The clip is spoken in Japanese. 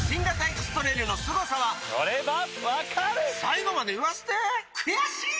エクストレイルのすごさは最後まで言わせて悔しい！